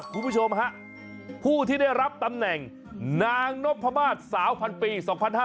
คุณผู้ชมฮะผู้ที่ได้รับตำแหน่งนางนพมาศสาวพันปี๒๕๕๙